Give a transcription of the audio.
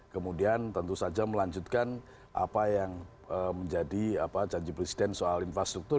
kemudian tentu saja melanjutkan apa yang menjadi janji presiden soal infrastruktur